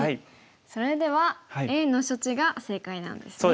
それではＡの処置が正解なんですね。